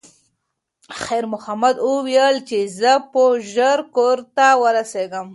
خیر محمد وویل چې زه به ژر کور ته ورسیږم.